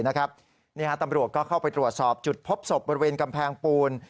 ตำรวจก็เข้าไปตรวจสอบจุดพบศพบริเวณกำแพงปูน